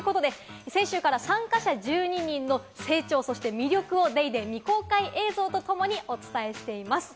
先週から参加者１２人の成長、そして魅力を『ＤａｙＤａｙ．』未公開映像とともにお伝えしています。